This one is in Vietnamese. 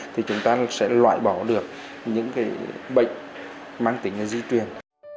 thì chúng ta sẽ loại bỏ được những bệnh mang tính di truyền